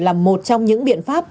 là một trong những biện pháp